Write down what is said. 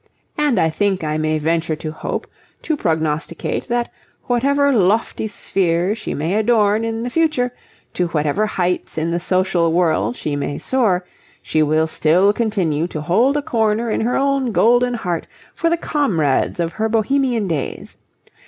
And I think I may venture to hope, to prognosticate, that, whatever lofty sphere she may adorn in the future, to whatever heights in the social world she may soar, she will still continue to hold a corner in her own golden heart for the comrades of her Bohemian days.